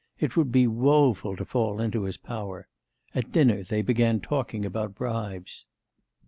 It would be woeful to fall into his power! At dinner they began talking about bribes.